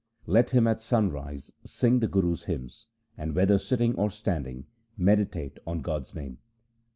Let him at sunrise sing the Guru's hymns, and whether sitting or standing meditate on God's name.